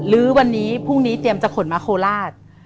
ลื้อวันนี้พรุ่งนี้เตรียมจะขนมาโคราช